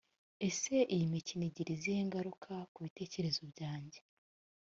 ese iyi mikino igira izihe ngaruka ku bitekerezo byanjye